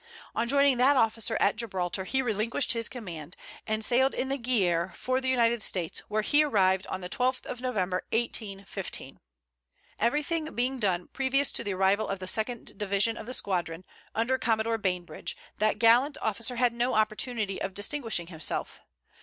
On joining that officer at Gibraltar, he relinquished his command, and sailed in the Guerriere for the United States, where he arrived on the 12th of November, 1815. Every thing being done previous to the arrival of the second division of the squadron, under Commodore Bainbridge, that gallant officer had no opportunity of distinguishing himself.